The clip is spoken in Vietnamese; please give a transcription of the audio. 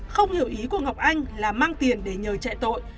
không hiểu ý của ngọc anh là mang tiền để nhờ chạy tội